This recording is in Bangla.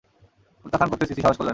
প্রত্যাখ্যান করতে সিসি সাহস করলে না।